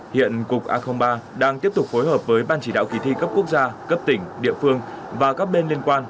hiện cục a ba đang tiếp tục phối hợp với ban chỉ đạo kỳ thi cấp quốc gia cấp tỉnh địa phương và các bên liên quan